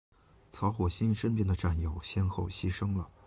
曹火星身边的战友先后牺牲了。